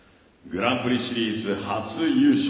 グランプリシリーズ初優勝。